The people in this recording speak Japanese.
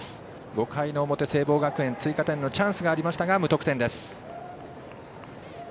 ５回の表、聖望学園追加点のチャンスがありましたが無得点です。